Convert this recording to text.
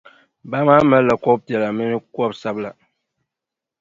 Baa maa malila kɔbʼ piɛla mini kɔbʼ sabila.